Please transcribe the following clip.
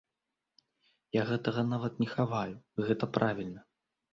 Я гэтага нават не хаваю, гэта правільна.